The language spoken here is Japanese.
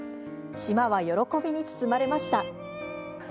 島は喜びに包まれました。